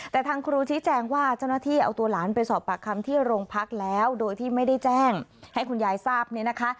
แต่ทางครูชี้แจงว่าเจ้าหน้าที่เอาตัวหลานไปสอบปากคำที่โรงพักแล้วโดยที่ไม่ได้แจ้งให้คุณยายทราบเนี่ยนะคะ